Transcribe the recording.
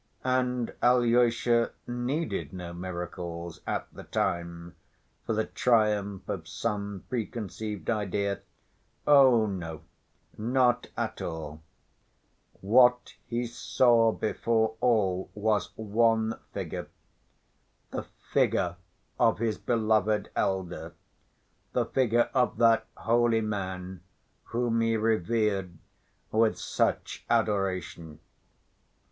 And Alyosha needed no miracles at the time, for the triumph of some preconceived idea—oh, no, not at all—what he saw before all was one figure—the figure of his beloved elder, the figure of that holy man whom he revered with such adoration.